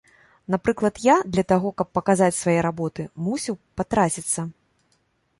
Напрыклад, я, для таго, каб паказаць свае работы, мусіў патраціцца.